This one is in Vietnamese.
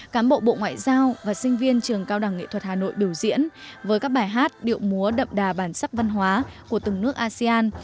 cán bộ bộ ngoại giao và sinh viên trường cao đẳng nghệ thuật hà nội biểu diễn với các bài hát điệu múa đậm đà bản sắc văn hóa của từng nước asean